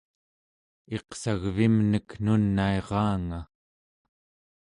iqsagvimnek nunairaanga